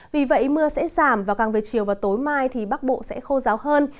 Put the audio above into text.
vì vậy mưa sẽ giảm và càng về chiều và tối mai thì bắc bộ sẽ khô ráo hơn